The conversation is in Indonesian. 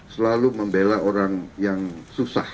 selalu membela orang yang susah